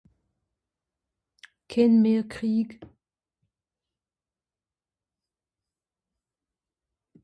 kenn meh Krieg